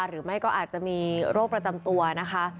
หรือไม่ก็อาจจะมีโรคประจำตัวนะคะ